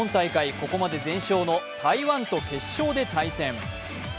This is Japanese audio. ここまで全勝の台湾と決勝で対戦。